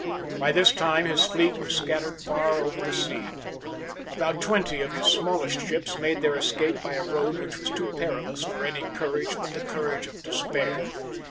By this time his fleet was scattered far over the sea. About twenty of his smallest ships made their escape by a road which was too perilous for any courage but the courage of despair.